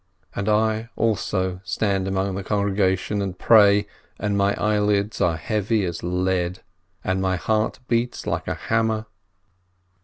.. And I also stand among the congregation and pray, and my eyelids are heavy as lead, and my heart beats like a hammer.